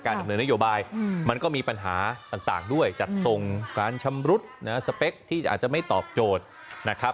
ดำเนินนโยบายมันก็มีปัญหาต่างด้วยจัดส่งการชำรุดสเปคที่อาจจะไม่ตอบโจทย์นะครับ